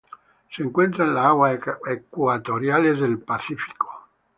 Se encuentra en las aguas ecuatoriales del Pacífico.